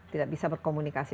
tidak bisa berkomunikasi